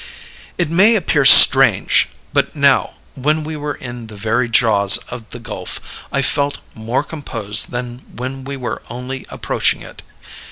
"It may appear strange but now, when we were in the very jaws of the gulf, I felt more composed than when we were only approaching it.